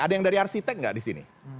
ada yang dari arsitek nggak di sini